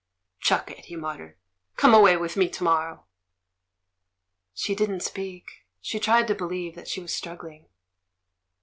"Chuck it!" he muttered; "come away with me to morrow!" She didn't speak; she tried to believe that she was struggling.